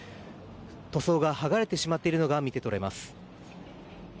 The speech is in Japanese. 塗装が剥がれてしまっているのが見て取れます。